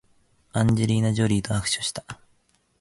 アンジェリーナジョリーと握手した